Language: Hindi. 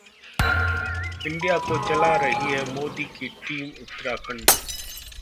इंडिया को चला रही है मोदी की 'टीम उत्तराखंड'!